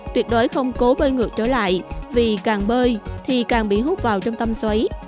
tuyệt đối không cố bơi ngược trở lại vì càng bơi thì càng bị hút vào trong tâm xoáy